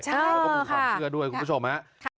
ใช่ค่ะคุณผู้ชมนะ